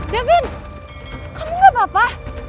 david kamu gak apa apa